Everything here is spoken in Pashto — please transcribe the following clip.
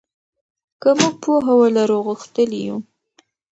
که موږ پوهه ولرو غښتلي یو.